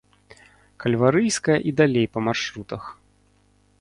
Кальварыйская і далей па маршрутах.